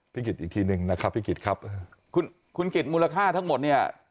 กิจอีกทีหนึ่งนะครับพี่กิจครับคุณคุณกิจมูลค่าทั้งหมดเนี่ย